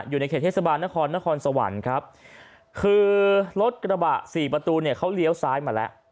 อยู่ในเขตเทศบาลนครนครสวรรค์ครับคือรถกระบะสี่ประตูเนี่ยเขาเลี้ยวซ้ายมาแล้ว